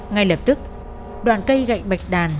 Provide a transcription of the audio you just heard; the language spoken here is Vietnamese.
ngay lập tức đoạn cây gậy bạch đàn